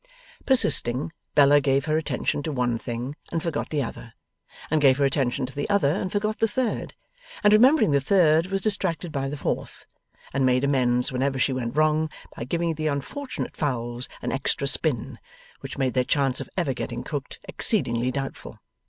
Persisting, Bella gave her attention to one thing and forgot the other, and gave her attention to the other and forgot the third, and remembering the third was distracted by the fourth, and made amends whenever she went wrong by giving the unfortunate fowls an extra spin, which made their chance of ever getting cooked exceedingly doubtful.